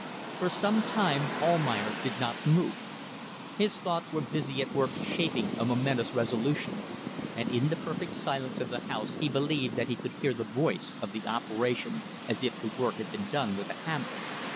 For some time Almayer did not move. His thoughts were busy at work shaping a momentous resolution, and in the perfect silence of the house he believed that he could hear the noise of the operation as if the work had been done with a hammer.